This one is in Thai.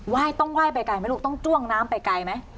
ต้องไหว้ไปไกลไหมลูกต้องจ้วงน้ำไปไกลไหม